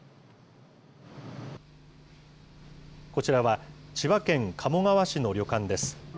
こちらは千葉県鴨川市の旅館です。